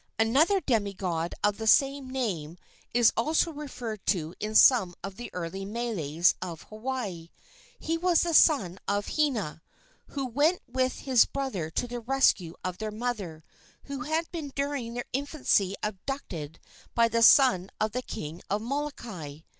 Another demi god of the same name is also referred to in some of the early meles of Hawaii. He was the son of Hina, who went with his brother to the rescue of their mother, who had been during their infancy abducted by the son of the king of Molokai.